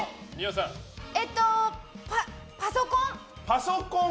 パソコン！